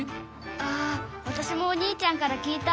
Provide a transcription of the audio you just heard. あわたしもお兄ちゃんから聞いた。